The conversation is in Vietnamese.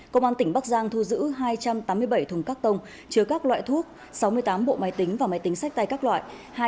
công an tỉnh bắc giang thu giữ hai trăm tám mươi bảy thùng các tông chứa các loại thuốc sáu mươi tám bộ máy tính và máy tính sách tay các loại